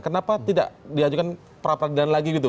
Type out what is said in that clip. kenapa tidak diajukan perapradian lagi gitu